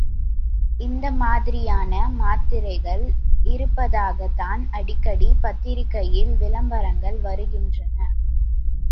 அந்த மாதிரியான மாத்திரைகள் இருப்பதாகத்தான் அடிக்கடி பத்திரிகையில் விளம்பரங்கள் வருகின்றன.